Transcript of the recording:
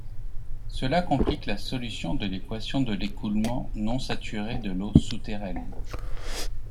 Cela complique la solution de l'équation de l'écoulement non-saturé de l'eau souterraine.